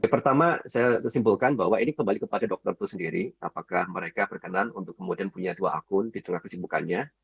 pertama saya simpulkan bahwa ini kembali kepada dokter itu sendiri apakah mereka berkenan untuk kemudian punya dua akun di tengah kesibukannya